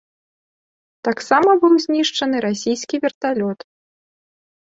Таксама быў знішчаны расійскі верталёт.